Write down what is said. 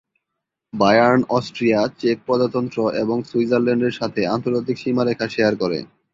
Bayern Austria, চেক প্রজাতন্ত্র এবং সুইজারল্যান্ডের সাথে আন্তর্জাতিক সীমারেখা শেয়ার করে।